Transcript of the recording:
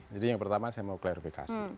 yang pertama saya mau klarifikasi